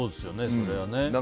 それはね。